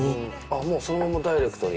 もうそのままダイレクトに？